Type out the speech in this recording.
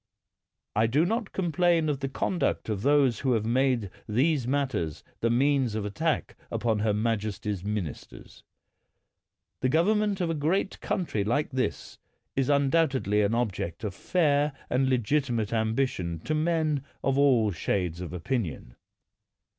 I do not complain of the conduct of those who have made these matters the means of at> tack upon her majesty's ministers. The govern ment of a great country like this is undoubtedly an object of fair and legitimate ambition to men of all shades of opinion.